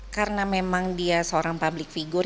karena memang dia seorang public figure